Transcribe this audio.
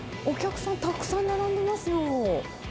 お客さん、たくさん並んでますよ。